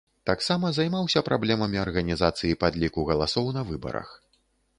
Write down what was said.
Таксама займаўся праблемамі арганізацыі падліку галасоў на выбарах.